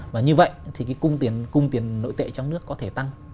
và như vậy thì cái cung tiền nội tệ trong nước có thể tăng